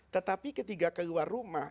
tetapi ketika keluar rumah